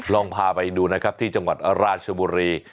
ลองพาไปดูนะครับที่จังหวัดราชบุรี